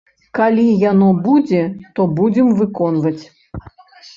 Калі яно будзе, то будзем выконваць.